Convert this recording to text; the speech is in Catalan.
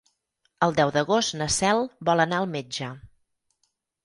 El deu d'agost na Cel vol anar al metge.